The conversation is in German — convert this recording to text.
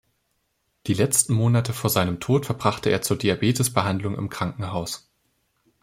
Die letzten Monate vor seinem Tod verbrachte er zur Diabetes-Behandlung im Krankenhaus.